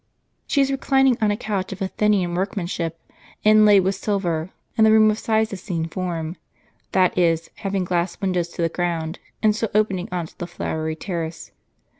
She is reclining on a couch of Athenian workmanship, inlaid with silver, in a room of Cyzicene form ; that is, hav ing glass windows to the ground, and so opening on to the flowery terrace.